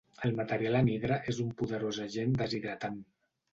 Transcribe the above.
El material anhidre és un poderós agent deshidratant.